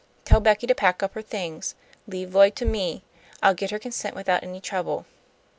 "Tell Becky to pack up her things. Leave Lloyd to me. I'll get her consent without any trouble."